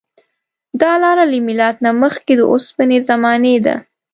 دا لاره له میلاد نه مخکې د اوسپنې زمانې ده.